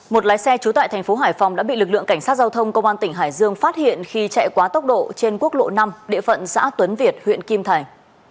một lái xe trú tại thành phố hải phòng đã bị lực lượng cảnh sát giao thông công an tỉnh hải dương phát hiện khi chạy quá tốc độ trên quốc lộ năm địa phận xã tuấn việt huyện kim thành